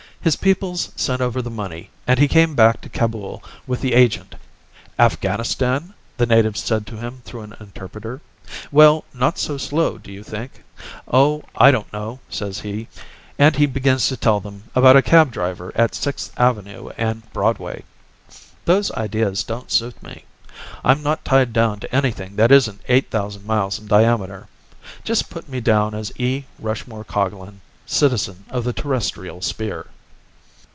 His people sent over the money and he came back to Kabul with the agent. 'Afghanistan?' the natives said to him through an interpreter. 'Well, not so slow, do you think?' 'Oh, I don't know,' says he, and he begins to tell them about a cab driver at Sixth avenue and Broadway. Those ideas don't suit me. I'm not tied down to anything that isn't 8,000 miles in diameter. Just put me down as E. Rushmore Coglan, citizen of the terrestrial sphere."